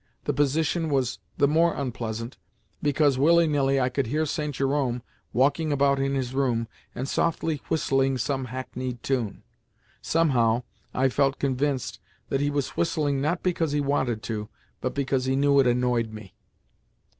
The position was the more unpleasant because, willy nilly, I could hear St. Jerome walking about in his room, and softly whistling some hackneyed tune. Somehow, I felt convinced that he was whistling not because he wanted to, but because he knew it annoyed me.